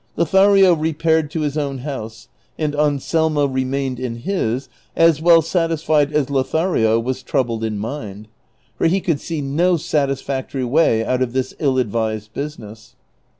Lothario repaired to his own house, and Anselmo remained in his, as well satisfied as Lothario was troubled in mind ; for he could see no satisfactory way out of this ill advised business.